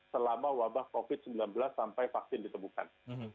selama wabah covid sembilan belas sampai vaksin ditemukan